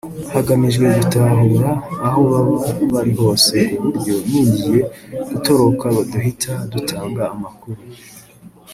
hagamijwe gutahura aho baba bari hose ku buryo n’ugiye gutoroka duhita dutanga amakuru